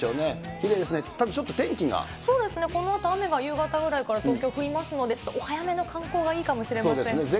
きれいですね、ただちょっと天気そうですね、このあと雨が夕方ぐらいから東京降りますので、お早目の観光がいいかもしれませそうですね。